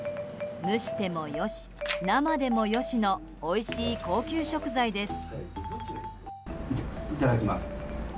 蒸しても良し、生でも良しのおいしい高級食材です。